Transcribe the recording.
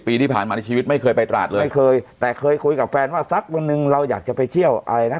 ปีที่ผ่านมาในชีวิตไม่เคยไปตราดเลยไม่เคยแต่เคยคุยกับแฟนว่าสักวันหนึ่งเราอยากจะไปเที่ยวอะไรนะ